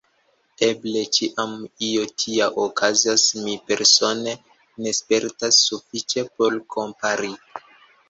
Eble ĉiam io tia okazas, mi persone ne spertas sufiĉe por kompari.